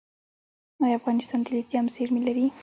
آیا افغانستان د لیتیم زیرمې لري؟